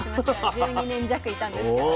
１２年弱いたんですけど。